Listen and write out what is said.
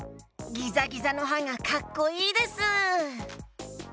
ギザギザのはがかっこいいです！